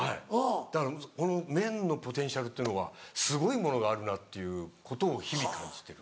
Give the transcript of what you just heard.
だからこの麺のポテンシャルっていうのはすごいものがあるなっていうことを日々感じてる。